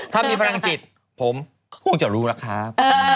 ถ้ามีพลังจิตผมคงจะรู้แล้วครับ